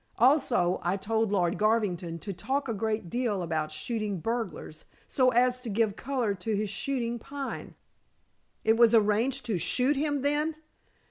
Also I told Lord Garvington to talk a great deal about shooting burglars, so as to give color to his shooting Pine." "It was arranged to shoot him, then?"